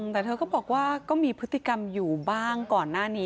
แต่เธอก็บอกว่าก็มีพฤติกรรมอยู่บ้างก่อนหน้านี้